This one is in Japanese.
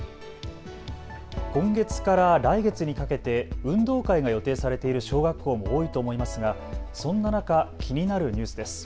今月から来月にかけて運動会が予定されている小学校も多いと思いますが、そんな中、気になるニュースです。